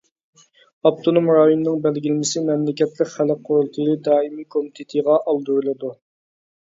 ئاپتونوم رايوننىڭ بەلگىلىمىسى مەملىكەتلىك خەلق قۇرۇلتىيى دائىمىي كومىتېتىغا ئالدۇرۇلىدۇ.